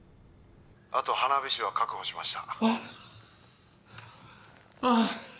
あと花火師は確保しましたあっああ